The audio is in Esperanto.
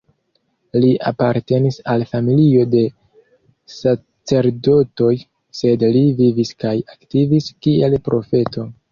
Li apartenis al familio de sacerdotoj; sed li vivis kaj aktivis kiel profeto.